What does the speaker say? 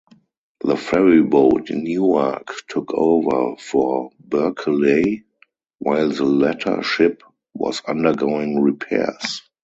The ferryboat "Newark" took over for "Berkeley", while the latter ship was undergoing repairs.